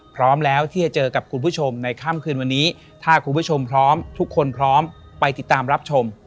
พร้อมกันเลยครับ